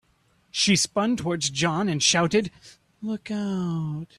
She spun towards John and shouted, "Look Out!"